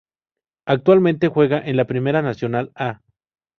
Actualmente juega en Primera Nacional "A".